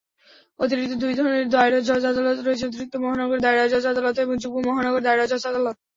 অতিরিক্ত দুই ধরণের দায়রা জজ আদালত রয়েছে, অতিরিক্ত মহানগর দায়রা জজ আদালত এবং যুগ্ম মহানগর দায়রা জজ আদালত।